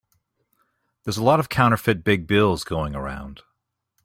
There's a lot of counterfeit big bills going around.